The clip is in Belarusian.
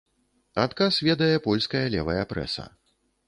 Адказ ведае польская левая прэса.